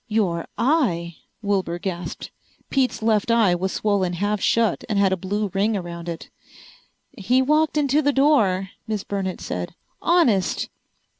"Your eye!" Wilbur gasped. Pete's left eye was swollen half shut and had a blue ring around it. "He walked into the door," Miss Burnett said. "Honest."